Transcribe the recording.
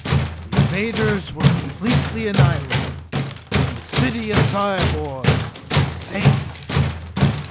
The invaders were completely annihilated and the city of Zyobor was saved!